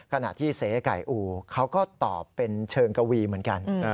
ขณะที่เสไก่อู่เขาก็ตอบเป็นเชิงกวีเหมือนกัน